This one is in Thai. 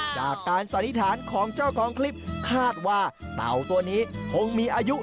สันนิษฐานของเจ้าของคลิปคาดว่าเต่าตัวนี้คงมีอายุ